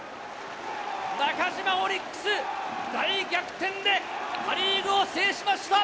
中嶋オリックス、大逆転でパ・リーグを制しました。